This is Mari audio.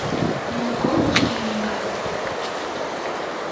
— Но колыш геройла...